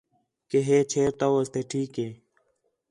کہ ہے چھیر تو واسطے ٹھیک ہِے